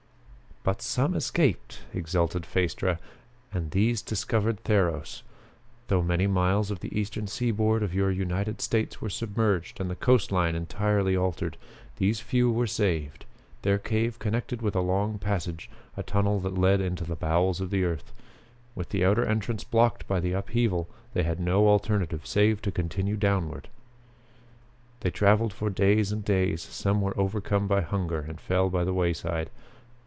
"But some escaped!" exulted Phaestra, "and these discovered Theros. Though many miles of the eastern seaboard of your United States were submerged and the coastline entirely altered, these few were saved. Their cave connected with a long passage, a tunnel that led into the bowels of the earth. With the outer entrance blocked by the upheaval they had no alternative save to continue downward." "They traveled for days and days. Some were overcome by hunger and fell by the wayside.